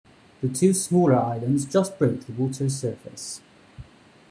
The two smaller islands just broke the water's surface.